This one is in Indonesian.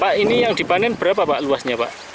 pak ini yang dipanen berapa pak luasnya pak